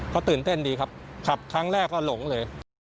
เขาตื่นเต้นดีครับขับครั้งแรกก็หลงเลย